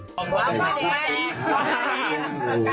สวัสดีค่ะ